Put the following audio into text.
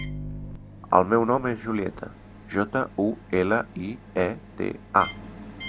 El meu nom és Julieta: jota, u, ela, i, e, te, a.